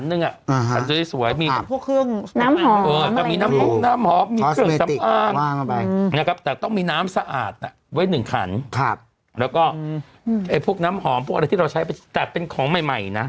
อืมเอ่ยพวกน้ำหอมพวกอะไรที่เราใช้ไปแต่เป็นของใหม่ใหม่นะ